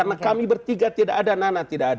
sehingga tidak ada nana tidak ada